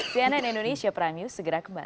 cnn indonesia prime news segera kembali